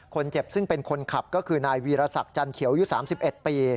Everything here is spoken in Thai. คนเจ็บซึ่งเป็นคนขับก็คือนายวีรศักดิ์จันเขียวอายุ๓๑ปี